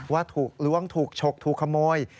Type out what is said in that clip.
ว่าถูกล้วงถูกฉกถูกขโมย